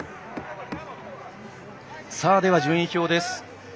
では順位表です。